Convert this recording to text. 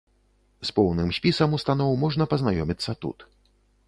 З поўным спісам устаноў можна пазнаёміцца тут.